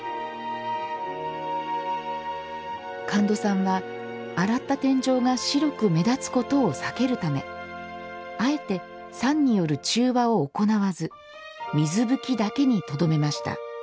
神門さんは洗った天井が白く目立つことを避けるためあえて酸による中和を行わず水拭きだけにとどめました。